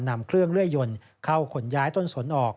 นำเครื่องเลื่อยยนต์เข้าขนย้ายต้นสนออก